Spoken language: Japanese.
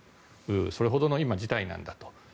それほどの今は事態なんだと。